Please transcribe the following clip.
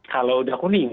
kalau sudah kuning